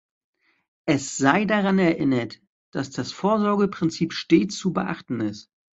Es sei daran erinnert, dass das Vorsorgeprinzip stets zu beachten ist.